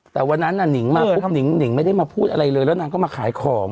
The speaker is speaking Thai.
แต่วันนั้นน่ะหนิงมาปุ๊บหนิงไม่ได้มาพูดอะไรเลยแล้วนางก็มาขายของ